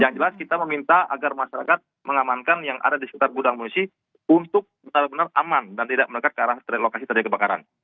yang jelas kita meminta agar masyarakat mengamankan yang ada di sekitar gudang pengungsi untuk benar benar aman dan tidak menekat ke arah lokasi terjadi kebakaran